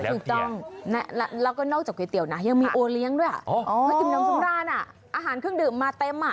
ถูกต้องแล้วก็นอกจากก๋วยเตี๋ยวนะยังมีโอเลี้ยงด้วยอาหารเครื่องดื่มมาเต็ม